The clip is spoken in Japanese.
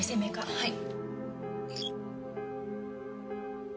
はい。